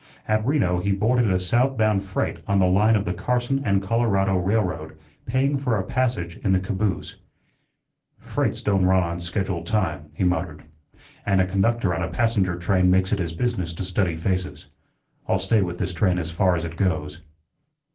At Reno he boarded a south bound freight on the line of the Carson and Colorado railroad, paying for a passage in the caboose. "Freights don' run on schedule time," he muttered, "and a conductor on a passenger train makes it his business to study faces. I'll stay with this train as far as it goes."